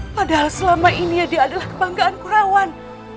padahal selama ini dia adalah kebanggaan kurawan